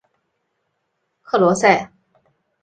克罗塞。